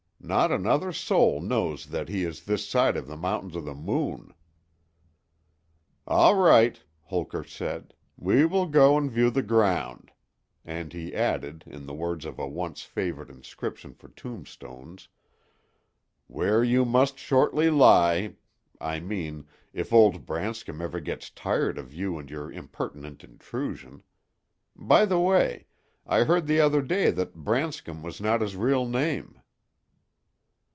Not another soul knows that he is this side of the Mountains of the Moon." "All right," Holker said; "we will go and view the ground," and he added, in the words of a once favorite inscription for tombstones: "'where you must shortly lie'—I mean, if old Branscom ever gets tired of you and your impertinent intrusion. By the way, I heard the other day that 'Branscom' was not his real name."